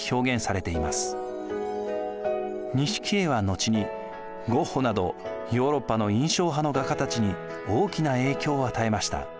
錦絵は後にゴッホなどヨーロッパの印象派の画家たちに大きな影響を与えました。